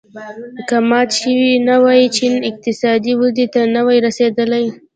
که مات شوی نه وای چین اقتصادي ودې ته نه وای رسېدلی.